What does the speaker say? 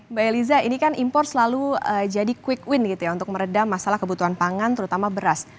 mbak eliza ini kan impor selalu jadi quick win gitu ya untuk meredam masalah kebutuhan pangan terutama beras